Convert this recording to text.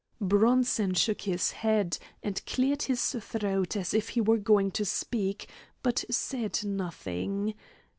Bronson shook his head, and cleared his throat as if he were going to speak, but said nothing.